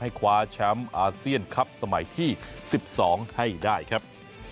คว้าแชมป์อาเซียนคลับสมัยที่๑๒ให้ได้ครับ